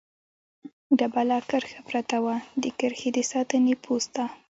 ډبله کرښه پرته وه، د کرښې د ساتنې پوسته.